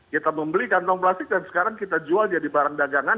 kita membeli kantong plastik dan sekarang kita jual jadi barang dagangan